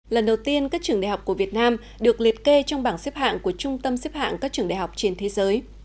lần đầu tiên các trường đại học của việt nam được liệt kê trong bảng xếp hạng của trung tâm xếp hạng các trường đại học trên thế giới